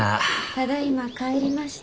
ただいま帰りました。